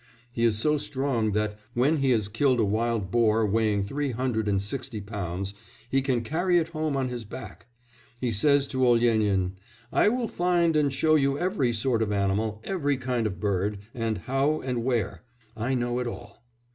He is so strong that, when he has killed a wild boar weighing three hundred and sixty pounds, he can carry it home on his back. He says to Olyénin: "I will find and show you every sort of animal, every kind of bird, and how and where.... I know it all.